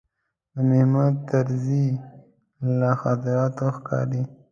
د محمود طرزي له خاطراتو ښکاري.